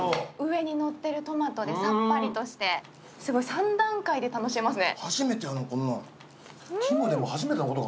３段階で楽しめますね。